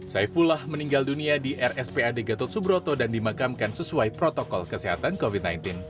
saifullah meninggal dunia di rspad gatot subroto dan dimakamkan sesuai protokol kesehatan covid sembilan belas